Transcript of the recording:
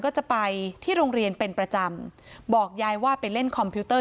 ก็จะไปที่โรงเรียนเป็นประจำบอกยายว่าไปเล่นคอมพิวเตอร์